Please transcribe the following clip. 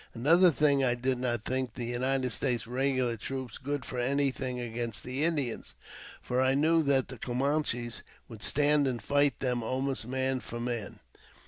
Another thing: I did not think the United States regular troops good for anything against the Indians, for I knew that the Camanches would stand and fight them almost man for man.